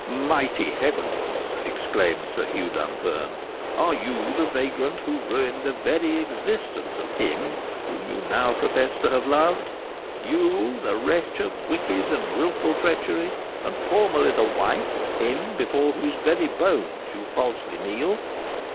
"Mighty Heavens!" exclaimed Sir Hugh Dunfern, "are you the vagrant who ruined the very existence of him whom you now profess to have loved? You, the wretch of wicked and wilful treachery, and formerly the wife of him before whose very bones you falsely kneel!